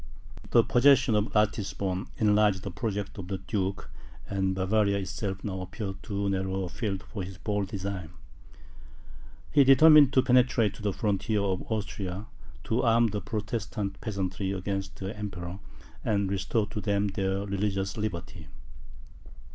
The possession of Ratisbon, enlarged the projects of the duke, and Bavaria itself now appeared too narrow a field for his bold designs. He determined to penetrate to the frontiers of Austria, to arm the Protestant peasantry against the Emperor, and restore to them their religious liberty.